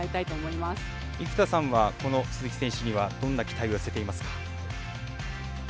生田さんはこの鈴木選手にはどんな期待を寄せていますか？